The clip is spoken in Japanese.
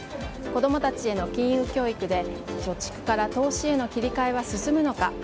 子供たちへの金融教育で貯蓄から投資への切り替えは進むのか？